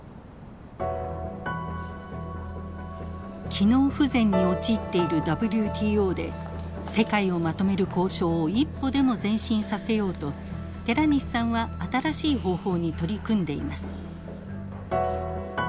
機能不全に陥っているＷＴＯで世界をまとめる交渉を一歩でも前進させようと寺西さんは新しい方法に取り組んでいます。